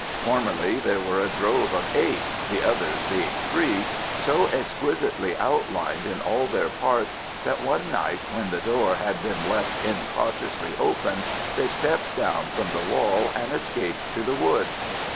Formerly there were a drove of eight the others being free so exquisitely outlined in all their parts that one night, when the door had been left incautiously open, they stepped down from the wall and escaped to the woods.